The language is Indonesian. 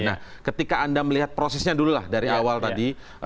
nah ketika anda melihat prosesnya dulu lah dari awal tadi